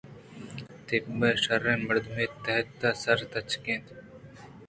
تب ءَ شرّیں مردمے اَت تحت ءِ سر ءَ تچک اَت